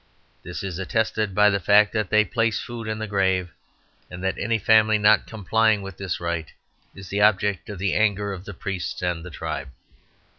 This is attested by the fact that they place food in the grave, and that any family not complying with this rite is the object of the anger of the priests and the tribe."